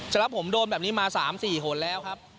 สำหรับผมโดนแบบนี้มา๓๔หนแล้วครับ